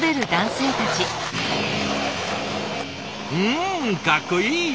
んかっこいい！